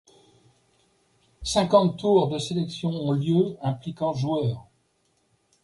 Cinquante tours de sélections ont lieu impliquant joueurs.